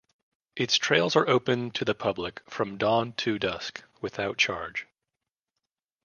Its trails are open to the public from dawn to dusk without charge.